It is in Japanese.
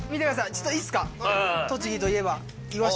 ちょっといいですか？